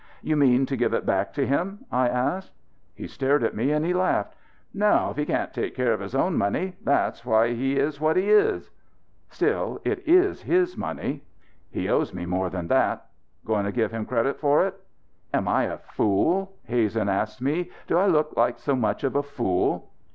"You mean to give it back to him?" I asked. He stared at me and he laughed. "No! If he can't take care of his own money that's why he is what he is." "Still it is his money." "He owes me more than that." "Going to give him credit for it?" "Am I a fool?" Hazen asked me. "Do I look like so much of a fool?"